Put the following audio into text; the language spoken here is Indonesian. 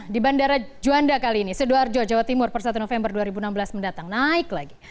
di bandara juanda kali ini sidoarjo jawa timur per satu november dua ribu enam belas mendatang naik lagi